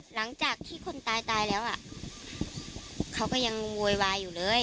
หลังจากที่คนตายตายแล้วอ่ะเขาก็ยังโวยวายอยู่เลย